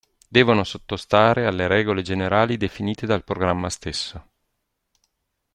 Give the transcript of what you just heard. Devono sottostare alle regole generali definite dal programma stesso.